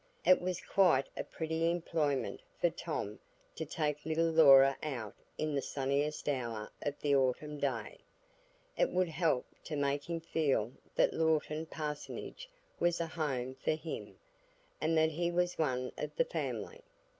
It was quite a pretty employment for Tom to take little Laura out in the sunniest hour of the autumn day; it would help to make him feel that Lorton Parsonage was a home for him, and that he was one of the family.